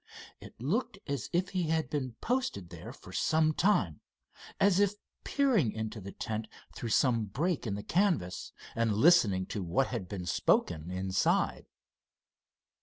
It looked as if he had been posted there for some time, as if peering into the tent through some break in the canvas and listening to what had been spoken inside.